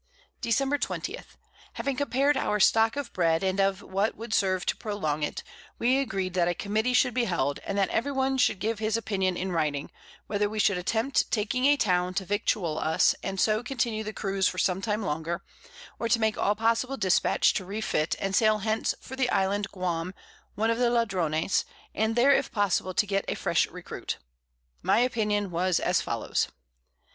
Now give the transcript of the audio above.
Dec. 20. Having compar'd our Stock of Bread, and of what would serve to prolong it, we agreed that a Committee should be held, and that every one should give his Opinion in Writing, whether we should attempt taking a Town to victual us, and so continue the Cruize for some time longer; or to make all possible Dispatch to refit, and sail hence for the Island Guam, one of the Ladrones, and there if possible to get a fresh Recruit. My Opinion was as follows.